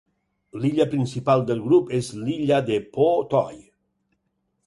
L'illa principal del grup és l'illa de Po Toi.